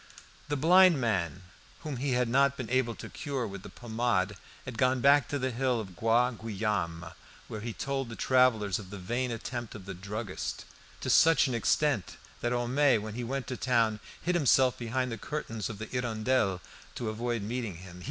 The blind man, whom he had not been able to cure with the pomade, had gone back to the hill of Bois Guillaume, where he told the travellers of the vain attempt of the druggist, to such an extent, that Homais when he went to town hid himself behind the curtains of the "Hirondelle" to avoid meeting him.